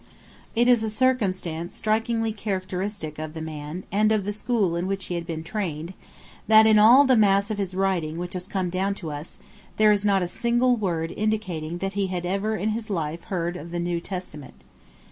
It is a circumstance strikingly characteristic of the man, and of the school in which he had been trained, that, in all the mass of his writing which has come down to us, there is not a single word indicating that he had ever in his life heard of the New Testament.